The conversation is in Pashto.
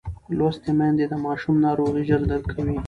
لوستې میندې د ماشوم ناروغۍ ژر درک کوي.